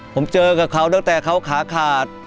ผมเจอกับเขาตั้งแต่เขาขาขาด